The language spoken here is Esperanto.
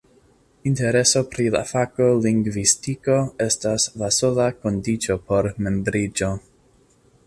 Intereso pri la fako lingvistiko estas la sola kondiĉo por membriĝo.